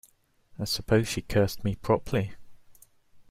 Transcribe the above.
I suppose she cursed me properly?